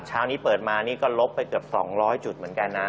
เช้านี้เปิดมานี่ก็ลบไปเกือบ๒๐๐จุดเหมือนกันนะ